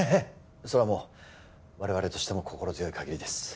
それはもう我々としても心強いかぎりです